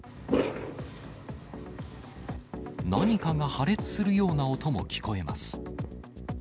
何かが破裂するような音も聞こえます。